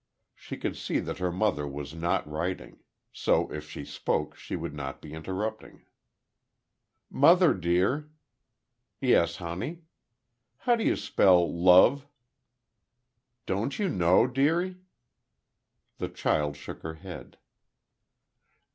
She could see that her mother was not writing; so if she spoke, she would not be interrupting. "Mother, dear?" "Yes, honey?" "How do you spell love?" "Don't you know, dearie?" The child shook her head.